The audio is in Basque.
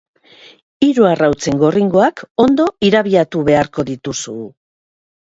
Hiru arrautzen gorringoak ondo irabiatu beharko dituzu.